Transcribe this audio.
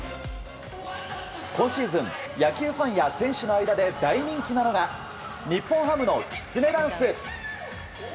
今シーズン、野球ファンや選手の間で大人気なのが日本ハムのきつねダンス。